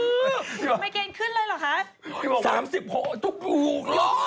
มายเกณฑ์ขึ้นเลยเหรอคะ